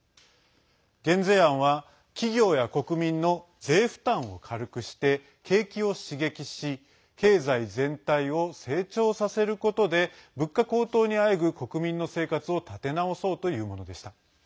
減税案は、企業や国民の税負担を軽くして、景気を刺激し経済全体を成長させることで物価高騰にあえぐ国民の生活を立て直そうというものでした。